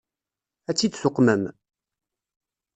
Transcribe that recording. Ad tt-id-tuqmem?